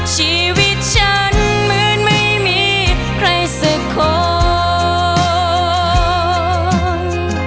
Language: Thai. ชีวิตฉันเหมือนไม่มีใครสักคน